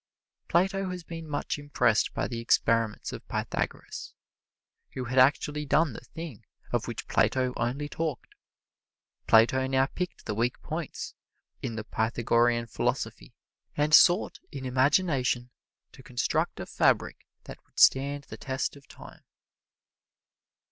Plato had been much impressed by the experiments of Pythagoras, who had actually done the thing of which Plato only talked. Plato now picked the weak points in the Pythagorean philosophy and sought, in imagination, to construct a fabric that would stand the test of time.